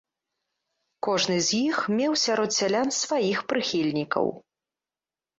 Кожны з іх меў сярод сялян сваіх прыхільнікаў.